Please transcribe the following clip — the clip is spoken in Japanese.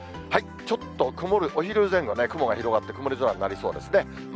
ちょっと曇るお昼前後ね、雲が広がって、曇り空になりそうですね。